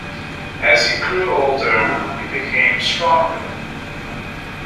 As he grew older he became stronger.